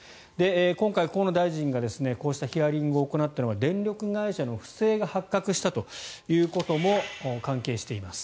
今回、河野大臣がこうしたヒアリングを行ったのは電力会社の不正が発覚したということも関係しています。